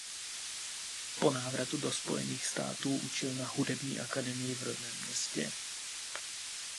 Po návratu do Spojených států učil na Hudební akademii v rodném městě.